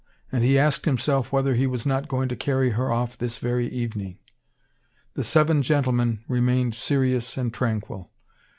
And he asked himself whether he was not going to carry her off this very evening. The seven gentlemen remained serious and tranquil.